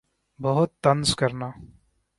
بَہُت طنز کرنا